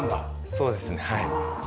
そうですねはい。